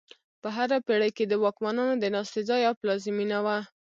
په هره پېړۍ کې د واکمنانو د ناستې ځای او پلازمینه وه.